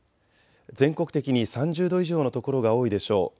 全国的に３０度以上の所が多いでしょう。